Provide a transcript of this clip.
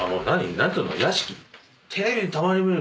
何ていうの？